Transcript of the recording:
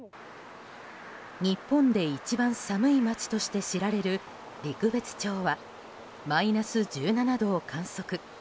日本で一番寒い町として知られる陸別町はマイナス１７度を観測。